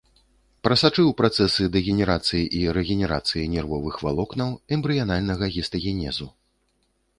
Прасачыў працэсы дэгенерацыі і рэгенерацыі нервовых валокнаў, эмбрыянальнага гістагенезу.